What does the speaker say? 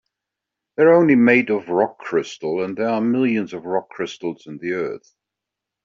They're only made of rock crystal, and there are millions of rock crystals in the earth.